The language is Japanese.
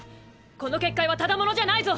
この結界はただものじゃないぞ。